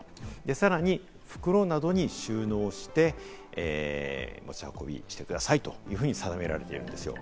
さらに袋などに収納して持ち運びしてくださいというふうに定められています。